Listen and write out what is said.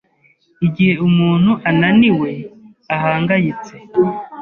Igihe umuntu ananiwe, ahangayitse,